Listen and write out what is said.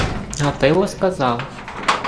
Гатило сказав: